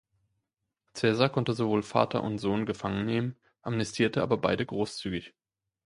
Caesar konnte sowohl Vater und Sohn gefangen nehmen, amnestierte aber beide großzügig.